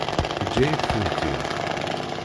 Teǧǧa-yak-tent-id?